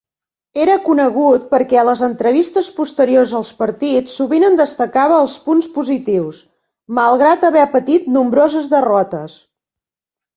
Era conegut perquè a les entrevistes posteriors als partits sovint en destacava els punts positius, malgrat haver patit nombroses derrotes.